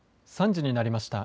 ３時になりました。